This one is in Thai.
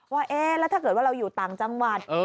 ว่าเอ๊ะแล้วถ้าเกิดว่าเราอยู่ต่างจังหวัด